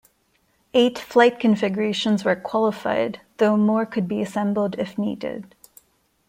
Eight flight configurations were qualified, though more could be assembled if needed.